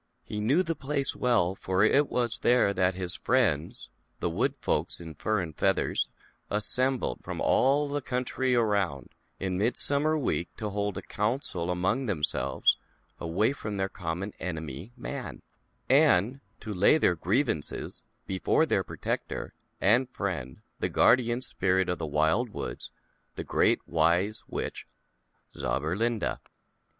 He knew the place well, for it was there that his friends, the Wood Folks in Fur and Feathers, assembled, from all the country around, in Midsummei Week, to hold a Council among them selves, away from their common enemy, Man, and to lay their grievances before their protector and friend, the Guardian Spirit of the Wild Woods, the Great Wise Witch Zauberlinda.